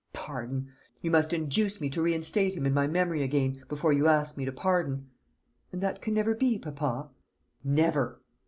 Pardon! You must induce me to reinstate him in my memory again, before you ask me to pardon." "And that can never be, papa?" "Never!"